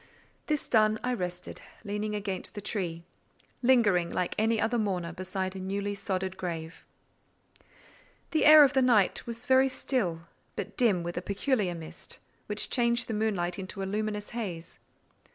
This done, I rested, leaning against the tree; lingering, like any other mourner, beside a newly sodded grave. The air of the night was very still, but dim with a peculiar mist, which changed the moonlight into a luminous haze.